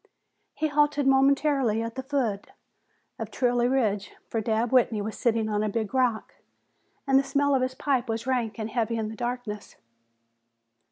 He halted momentarily at the foot of Trilley Ridge, for Dabb Whitney was sitting on a big rock and the smell of his pipe was rank and heavy in the darkness.